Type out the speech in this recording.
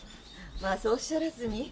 まあそうおっしゃらずに。